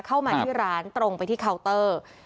เข้ามาที่ร้านตรงไปที่เคาน์เตอร์